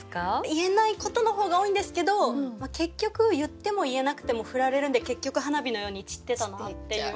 言えないことの方が多いんですけど結局言っても言えなくてもフラれるんで結局花火のように散ってたなっていう。